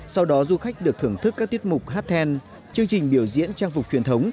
sau đó du khách được thưởng thức các tiết mục hát then chương trình biểu diễn trang phục truyền thống